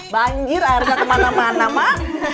bangjir akhirnya kemana mana mak